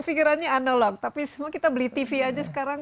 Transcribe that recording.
pikirannya analog tapi semua kita beli tv aja sekarang